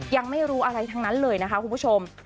ยังไม่รู้อะไรทั้งนั้นเลยนะคะคุณผู้ชม